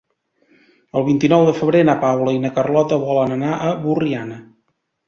El vint-i-nou de febrer na Paula i na Carlota volen anar a Borriana.